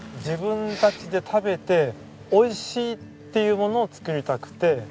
自分たちで食べておいしいっていうものを作りたくて。